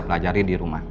pelajari di rumah